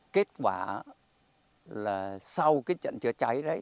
kết quả là sau cái trận chữa cháy đấy